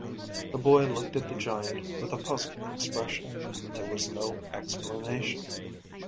The boy looked at the giant with a puzzled expression, but there was no explanation.